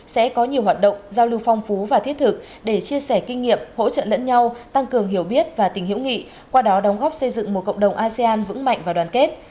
sẽ có nhiều hoạt động giao lưu phong phú và thiết thực để chia sẻ kinh nghiệm hỗ trợ lẫn nhau tăng cường hiểu biết và tình hữu nghị qua đó đóng góp xây dựng một cộng đồng asean vững mạnh và đoàn kết